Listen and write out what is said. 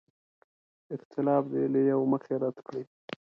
اختلاف دې له یوې مخې رد کړي.